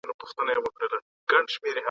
چي عقل نه لري هیڅ نه لري ..